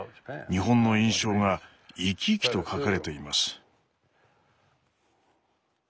日本の印象が生き生きと書かれています。